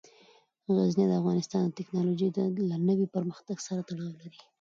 غزني د افغانستان د تکنالوژۍ له نوي پرمختګ سره تړاو لري.